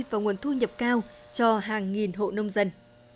và nguồn thu nhập cao cho hàng nghìn hộ nông dân